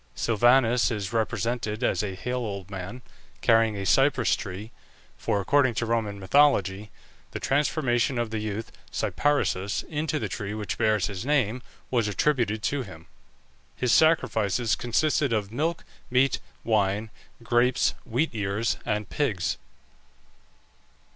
Silvanus is represented as a hale old man, carrying a cypress tree, for, according to Roman mythology, the transformation of the youth Cyparissus into the tree which bears his name was attributed to him. His sacrifices consisted of milk, meat, wine, grapes, wheat ears, and pigs.